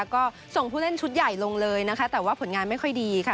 ก็ส่งผู้เล่นชุดใหญ่ลงเลยนะคะแต่ว่าผลงานไม่ค่อยดีค่ะ